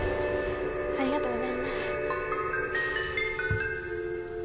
ありがとうございます。